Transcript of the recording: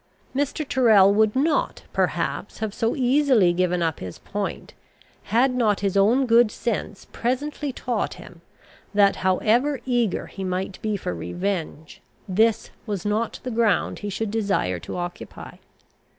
Mr. Tyrrel would not, perhaps, have so easily given up his point, had not his own good sense presently taught him, that, however eager he might be for revenge, this was not the ground he should desire to occupy.